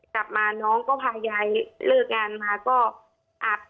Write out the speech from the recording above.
กลับมาน้องก็พายายเลิกงานมาก็อัด